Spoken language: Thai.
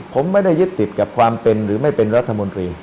ผมไม่ได้ยึดติดกับความเป็นหรือไม่เป็นรัฐมนตรี